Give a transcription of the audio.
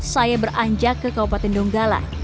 saya beranjak ke kabupaten donggala